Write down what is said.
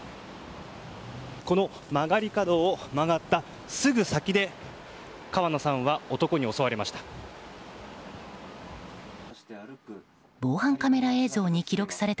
この曲がり角を曲がったすぐ先で川野さんは男に襲われました。